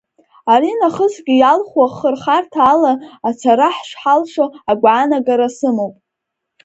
Аринахысгьы иалху ахырхарҭа ала ацара шҳалшо агәаанагара сымоуп.